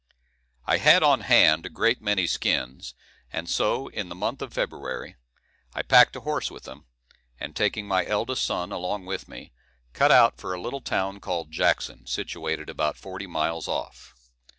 I had on hand a great many skins, and so, in the month of February, I packed a horse with them, and taking my eldest son along with me, cut out for a little town called Jackson, situated about forty miles off.